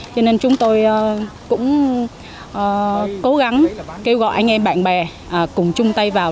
cho nên chúng tôi cũng cố gắng kêu gọi anh em bạn bè cùng chung tay vào